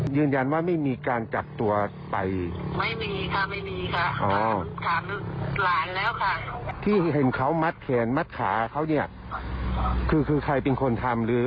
หรือเขาเป็นคนทำเองครับ